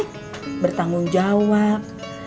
jadi bertanggung jawab